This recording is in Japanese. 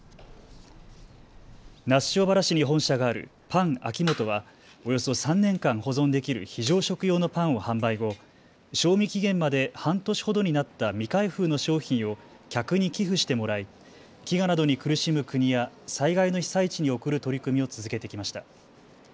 那須塩原市に本社があるパン・アキモトはおよそ３年間保存できる非常食用のパンを販売後、賞味期限まで半年ほどになった未開封の商品を客に寄付してもらい、飢餓などに苦しむ国や災害の被災地に送る取り組みを続けてきました。